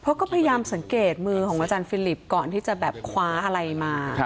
เพราะก็พยายามสังเกตมือของอาจารย์ฟิลิปก่อนที่จะแบบคว้าอะไรมา